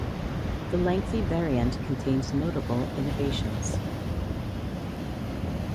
The lengthy variant contains notable innovations.